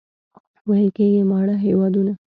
ویل کېږي ماړه هېوادونه.